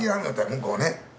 向こうね。